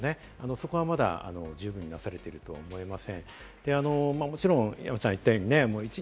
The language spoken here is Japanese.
そこはまだ十分になされているとは思いません。